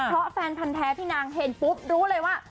เพราะแฟนพันธ์แท้พี่นางเห็นปุ๊บรู้เลยว่า